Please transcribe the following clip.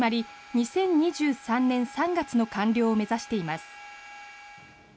２０２３年３月の完了を目指しています。